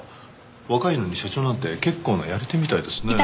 若いのに社長なんて結構なやり手みたいですね。